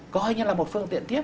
coi như là một phương tiện tiếp